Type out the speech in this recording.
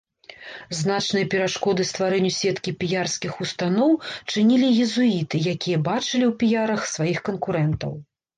Значныя перашкоды стварэнню сеткі піярскіх устаноў чынілі езуіты, якія бачылі ў піярах сваіх канкурэнтаў.